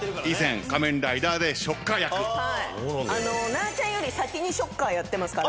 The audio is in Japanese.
なーちゃんより先にショッカーやってますから。